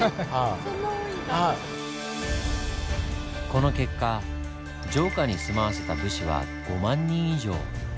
この結果城下に住まわせた武士は５万人以上。